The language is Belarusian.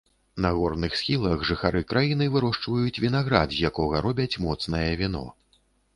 На горных схілах жыхары краіны вырошчваюць вінаград, з якога робяць моцнае віно.